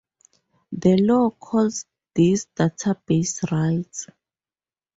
The law calls these database rights.